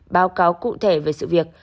báo cáo cụ thể về sự việc